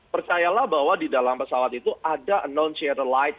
percayalah bahwa di dalam pesawat itu ada announceara light